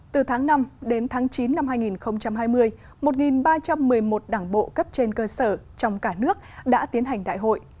từ tháng năm đến tháng chín năm hai nghìn hai mươi một ba trăm một mươi một đảng bộ cấp trên cơ sở trong cả nước đã tiến hành đại hội